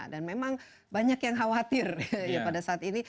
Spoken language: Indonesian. dan memang banyak yang khawatir ya pada saat ini